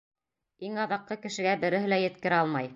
— Иң аҙаҡҡы кешегә береһе лә еткерә алмай.